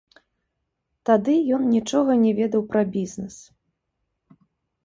Тады ён нічога не ведаў пра бізнес.